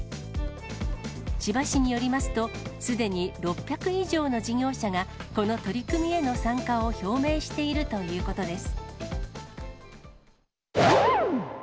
千葉市によりますと、すでに６００以上の事業者が、この取り組みへの参加を表明しているということです。